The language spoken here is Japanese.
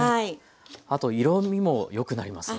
あと色みもよくなりますよね。